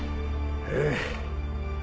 ええ。